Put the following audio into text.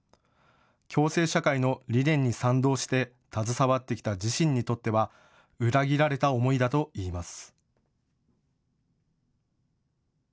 共生社会の理念に賛同して携わってきた自身にとっては裏切られた思いだと言います。